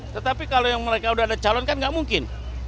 tetapi kalau yang mereka udah ada calon kan nggak mungkin